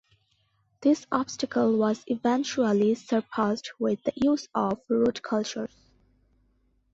This obstacle was eventually surpassed with the use of root cultures.